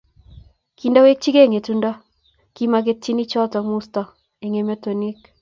Kindawechikei ngetundo, kimaketieni choto musto eng emoitinik